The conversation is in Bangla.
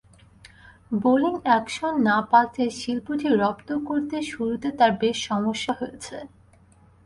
বোলিং অ্যাকশন না পাল্টে শিল্পটি রপ্ত করতে শুরুতে তাঁর বেশ সমস্যা হয়েছে।